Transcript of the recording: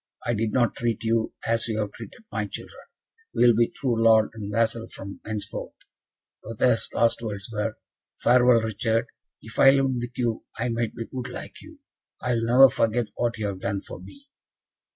I did not treat you as you have treated my children. We will be true lord and vassal from henceforth." Lothaire's last words were, "Farewell, Richard. If I lived with you, I might be good like you. I will never forget what you have done for me."